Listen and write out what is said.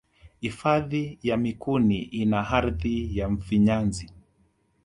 Hifadhi ya mikumi ina ardhi ya mfinyanzi